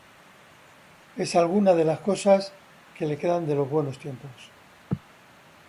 Es alguna de las cosas que le quedan de los buenos tiempos.